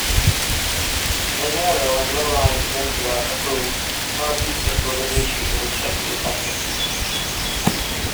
The narrow and low-lying peninsula of Hafun, northeast of Mogadishu, was especially affected.